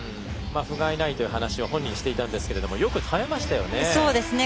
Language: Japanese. ふがいないという話を本人はしていましたけどよく耐えましたよね。